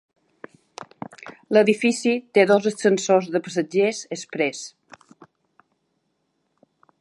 L'edifici té dos ascensors de passatgers exprés.